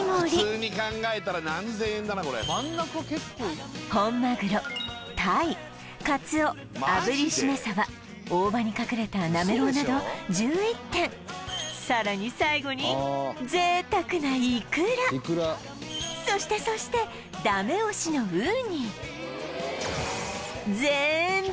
普通に考えたら何千円だなこれタイカツオ炙りしめ鯖大葉に隠れたなめろうなど１１点さらに最後に贅沢なイクラそしてそしてダメ押しのウニぜんぶ